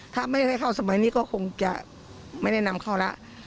ถ้าไม่ได้เข้าสมัยนี้ก็คงจะไม่ได้นำเข้าแล้ว